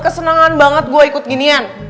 kesenangan banget gue ikut ginian